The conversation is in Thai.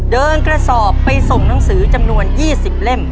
กระสอบไปส่งหนังสือจำนวน๒๐เล่ม